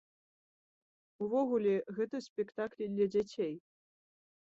Увогуле, гэта спектаклі для дзяцей.